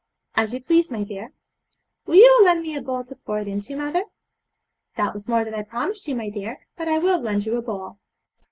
'As you please, my dear.' 'Will you lend me a bowl to pour it into, mother?' 'That was more than I promised you, my dear, but I will lend you a bowl.'